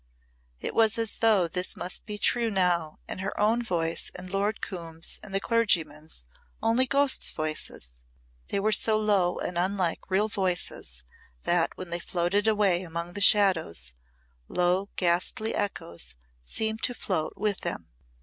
It was as though this must be true now and her own voice and Lord Coombe's and the clergyman's only ghosts' voices. They were so low and unlike real voices and when they floated away among the shadows, low ghastly echoes seemed to float with them.